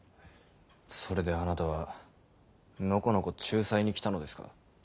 それであなたはのこのこ仲裁に来たのですか。